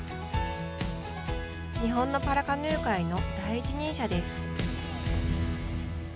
日本のパラカヌー界の第一人者です。